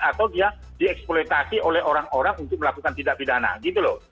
atau dia dieksploitasi oleh orang orang untuk melakukan tindak pidana gitu loh